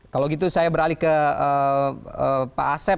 kalau gitu saya beralih ke pak asep